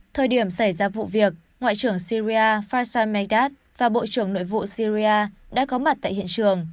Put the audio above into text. thời điểm xảy ra vụ việc ngoại trưởng syria fashai megas và bộ trưởng nội vụ syria đã có mặt tại hiện trường